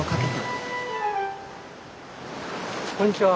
こんにちは。